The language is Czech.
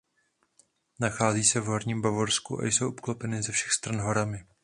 Nachází se v Horním Bavorsku a jsou obklopeny ze všech stran horami.